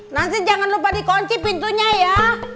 nanti jangan lupa dikunci pintunya ya